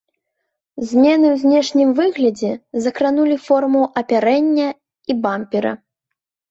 Змены ў знешнім выглядзе закранулі форму апярэння і бампера.